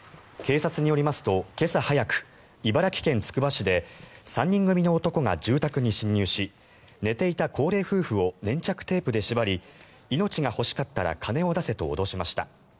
警察によりますと今朝早く茨城県つくば市で３人組の男が住宅に侵入し寝ていた高齢夫婦を粘着テープで縛り命が欲しかったら金を出せと脅しました。